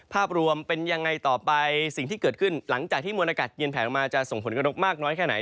ภาพรวมเป็นยังไงต่อไปสิ่งที่เกิดขึ้นหลังจากที่มวลอากาศเย็นแผลลงมาจะส่งผลกระทบมากน้อยแค่ไหน